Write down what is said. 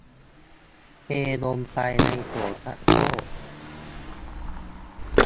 เทลงไปในโถชักโครก